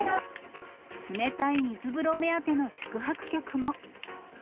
冷たい水風呂目当ての宿泊客も。